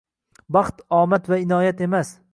Baxt omad va inoyat emas